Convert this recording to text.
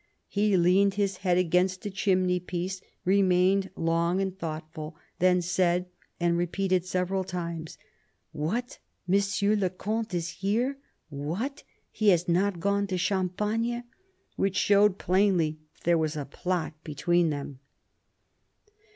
He leaned his head against a chimney piece, remained long thoughtful, then said, and repeated several times, ' What ! Monsieur le Comte is here ? What ! He has not gone to Champagne !' Which showed plainly that there was a plot between them."